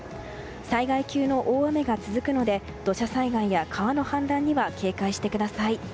災害級の大雨が続くので土砂災害や川の氾濫には警戒してください。